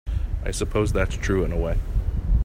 I suppose that's true in a way.